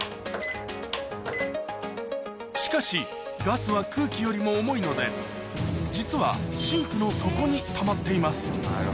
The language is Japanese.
しかし、ガスは空気よりも重いので、実はシンクの底にたまっています。